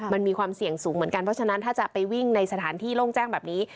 มันมีความเสี่ยงสูงเหมือนกันเพราะฉะนั้นถ้าจะไปวิ่งในสถานที่โล่งแจ้งแบบนี้